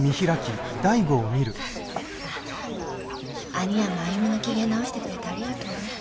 兄やんも歩の機嫌直してくれてありがとうね。